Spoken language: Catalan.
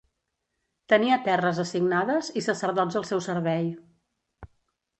Tenia terres assignades i sacerdots al seu servei.